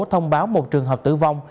thông báo một trường hợp tử vong